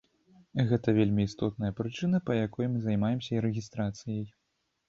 Гэта вельмі істотная прычына, па якой мы займаемся рэгістрацыяй.